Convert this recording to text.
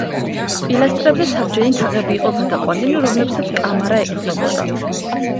პილასტრებზე საბჯენი თაღები იყო გადაყვანილი, რომლებსაც კამარა ეყრდნობოდა.